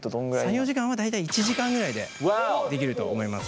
作業時間は大体１時間ぐらいでできると思います。